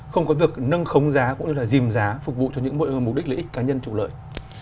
không có việc nâng khống giá cũng như là dìm giá phục vụ cho những mục đích lợi ích cá nhân trụ lợi